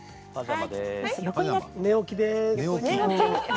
寝起きです。